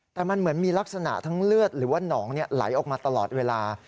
แต่มันเหมือนมีลักษณะทั้งเลือดหรือว่าหนองไหลออกมาตลอดเวลา